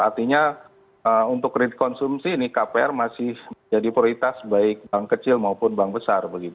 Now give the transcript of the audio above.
artinya untuk kredit konsumsi ini kpr masih menjadi prioritas baik bank kecil maupun bank besar